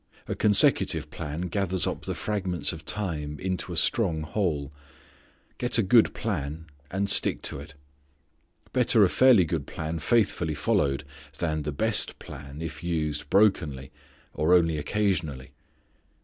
A consecutive plan gathers up the fragments of time into a strong whole. Get a good plan, and stick to it. Better a fairly good plan faithfully followed, than the best plan if used brokenly or only occasionally.